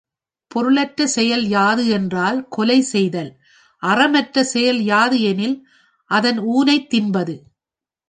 பொருளற்ற செயல் யாது என்றால் கொலை செய்தல் அறம் அற்ற செயல் யாது எனின் அதன் ஊனைத் தின்பது.